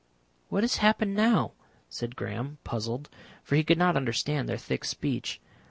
"What has happened now?" said Graham, puzzled, for he could not understand their thick speech.